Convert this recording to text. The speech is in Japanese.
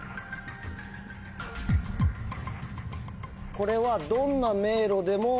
これは。